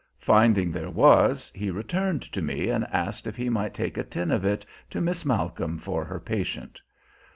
Finding there was, he returned to me and asked if he might take a tin of it to Miss Malcolm for her patient.